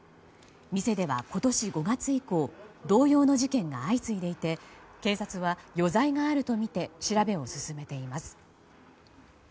店では今年５月以降同様の事件が相次いでいて警察は余罪があるとみて調べを進めています。